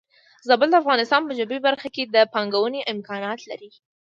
زابل د افغانستان په جنوبی برخه کې د پانګونې امکانات لري.